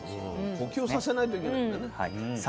呼吸させないといけないんだね。